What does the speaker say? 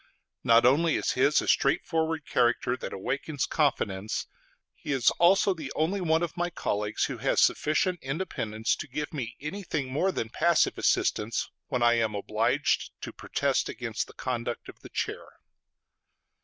Not only is his a straightforward character that awakens confidence, but he is also the only one of my colleagues who has sufficient independence to give me anything more than passive assistance when I am obliged to protest against the conduct of the Chair.